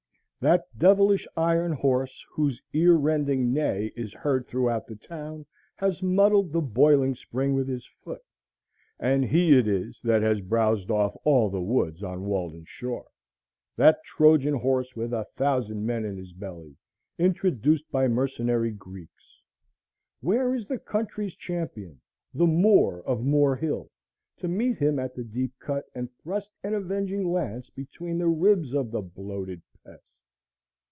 That devilish Iron Horse, whose ear rending neigh is heard throughout the town, has muddied the Boiling Spring with his foot, and he it is that has browsed off all the woods on Walden shore, that Trojan horse, with a thousand men in his belly, introduced by mercenary Greeks! Where is the country's champion, the Moore of Moore Hill, to meet him at the Deep Cut and thrust an avenging lance between the ribs of the bloated pest?